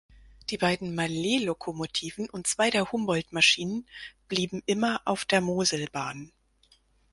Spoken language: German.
Die beiden Malletlokomotiven und zwei der Humboldt-Maschinen blieben immer auf der Moselbahn.